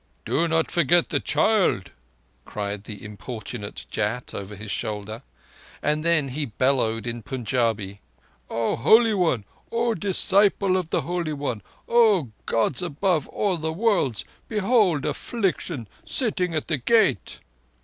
"Do not forget the child," cried the importunate Jat over his shoulder, and then bellowed in Punjabi; "O Holy One—O disciple of the Holy One—O Gods above all the Worlds—behold affliction sitting at the gate!"